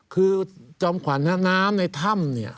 คือจอมขวัญน้ำในถ้ำเนี่ย